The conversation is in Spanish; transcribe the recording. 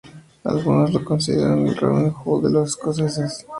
Algunos lo consideran el Robin Hood de los escoceses.